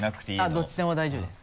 あっどっちでも大丈夫です。